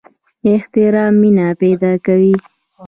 احترام مینه پیدا کوي